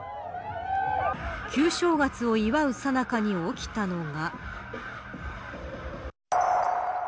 旧正月を祝うさなかに起きたのが。